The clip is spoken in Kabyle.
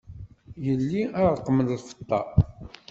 Yelli a ṛqem n lfeṭṭa.